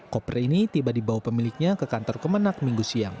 koper ini tiba dibawa pemiliknya ke kantor kemenang minggu siang